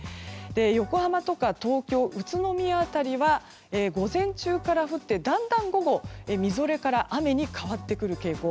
横浜とか東京、宇都宮辺りは午前中から降ってだんだん、午後みぞれから雨に変わってくる傾向。